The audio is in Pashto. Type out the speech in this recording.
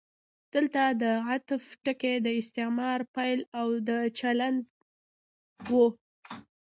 دلته د عطف ټکی د استعمار پیل او د چلند و.